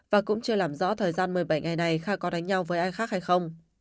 và cũng chưa làm rõ thời gian một mươi bảy ngày này kha có đánh nhau với ai khác hay không